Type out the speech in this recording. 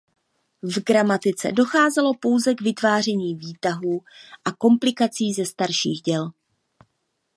V gramatice docházelo pouze k vytváření výtahů a kompilací ze starších děl.